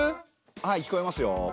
はい聞こえますよ。